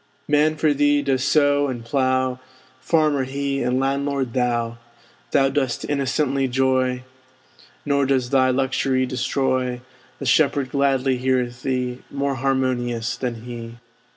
Man for thee does sow and plow; Farmer he, and landlord thou! Thou dost innocently joy; Nor does thy luxury destroy; The shepherd gladly heareth thee, More harmonious than he.